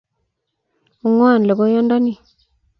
Ngwan lokoiyandani